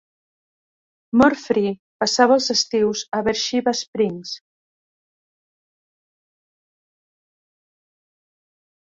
Murfree passava els estius a Beersheba Springs.